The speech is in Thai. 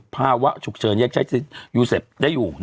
ภาวะฉุกเชิญยักษ์ใช๗๐ยู๋เสฟได้อยู่